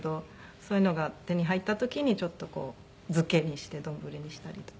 そういうのが手に入った時にちょっとこう漬けにして丼にしたりとか。